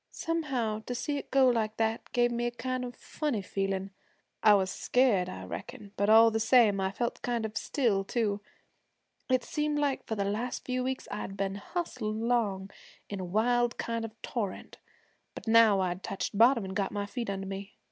Somehow, to see it go like that gave me a kind of funny feelin'. I was scared, I reckon, but all the same I felt kind of still too. It seemed like for the last few weeks I'd been hustled along in a wild kind of a torrent, but now I'd touched bottom an' got my feet under me.